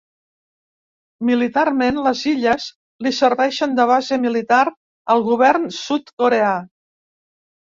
Militarment, les illes li serveixen de base militar al govern sud-coreà.